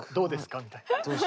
みたいな。